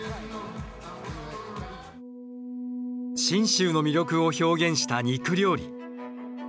信州の魅力を表現した肉料理。